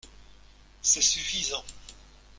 C’est suffisant.